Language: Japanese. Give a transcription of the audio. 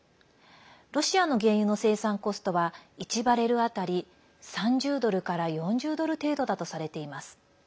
ロシアの原油の生産コストは１バレル当たり３０ドルから４０ドル程度だとされています。